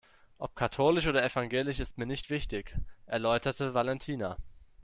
Ob katholisch oder evangelisch ist mir nicht wichtig, erläuterte Valentina.